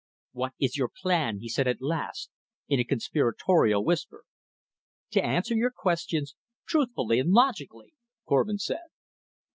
"What is your plan?" he said at last, in a conspiratorial whisper. "To answer your questions, truthfully and logically," Korvin said.